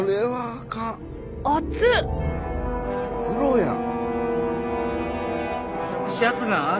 風呂やん。